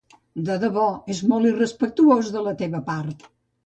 De debò, és molt irrespectuós de la teva part!